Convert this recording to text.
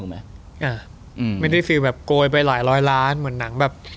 ไม่ได้ฟิลแบบโกยไปหลายร้อยล้านเหมือนหนังแบบ